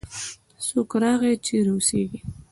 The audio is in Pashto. څوک راغی؟ چیرې اوسیږې؟